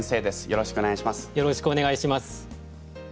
よろしくお願いします。